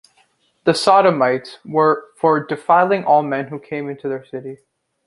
The Sodomites were for defiling all men who came into their city.